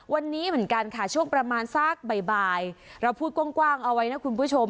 วันนี้เหมือนกันค่ะช่วงประมาณสักบ่ายเราพูดกว้างเอาไว้นะคุณผู้ชม